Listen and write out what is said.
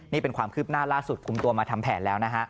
นี่เป็นความคืบหน้าล่าสุดคุมตัวมาทำแผนแล้วนะฮะ